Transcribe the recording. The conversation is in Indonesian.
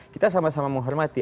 kita sama sama menghormati